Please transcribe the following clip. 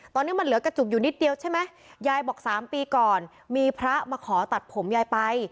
ตอนนี้มันเหลือกระจุกอยู่นิดเดียวใช่ไหมยายบอกสามปีก่อนมีพระมาขอตัดผมยายไป